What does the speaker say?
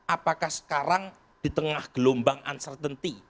apakah sekarang di tengah gelombang uncertainty